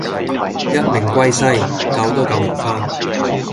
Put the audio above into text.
一命歸西，救都救唔返